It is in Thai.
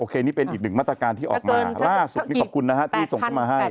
โอเคนี่เป็นอีกหนึ่งมาตรการที่ออกมาล่าสุดขอบคุณนะครับที่ส่งมาให้